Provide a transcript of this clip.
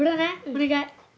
お願い！